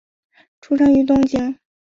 出生于东京。